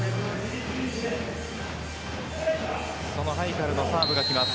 そのハイカルのサーブがきます。